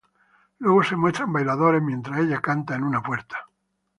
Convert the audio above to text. Luego se muestran bailadores mientras ella canta en una puerta.